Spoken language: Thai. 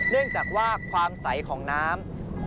เนื่องจากว่าความใสของน้ำ